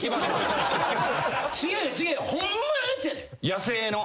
野生の？